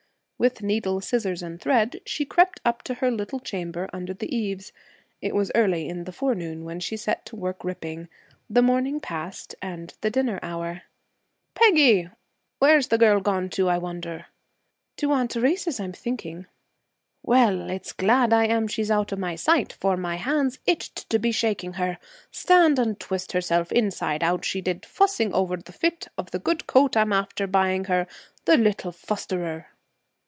With needle, scissors and thread, she crept up to her little chamber under the eaves. It was early in the forenoon when she set to work ripping. The morning passed, and the dinner hour. 'Peggy! Where's the girl gone to, I wonder?' 'To Aunt Theresa's, I'm thinking.' 'Well, it's glad I am she's out o' my sight, for my hands itched to be shaking her. Stand and twist herself inside out she did, fussing over the fit of the good coat I'm after buying her. The little fustherer!'